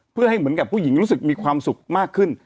เพื่อให้เหมือนกับผู้หญิงรู้สึกมีความสุขมากขึ้น